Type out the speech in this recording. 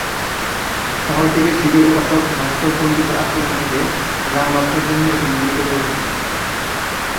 শহরটিকে শিবের উপাসক ভাস্কর পন্ডিতের আক্রমণ থেকে গ্রাম রক্ষার জন্যই এটি নির্মিত হয়েছিল।